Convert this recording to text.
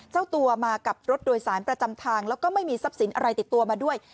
เจ้าตัวมากับรถโดยสารประจำทางแล้วก็ไม่มีทรัพย์สินอะไรติดตัวมาด้วย